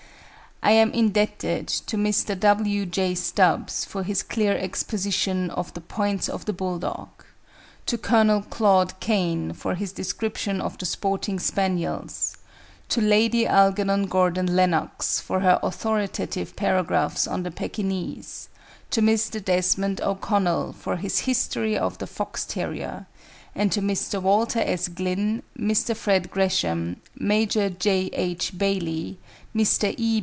I am indebted to Mr. W. J. Stubbs for his clear exposition of the points of the Bulldog, to Colonel Claude Cane for his description of the Sporting Spaniels, to Lady Algernon Gordon Lennox for her authoritative paragraphs on the Pekinese, to Mr. Desmond O'Connell for his history of the Fox terrier, and to Mr. Walter S. Glynn, Mr. Fred Gresham, Major J. H. Bailey, Mr. E.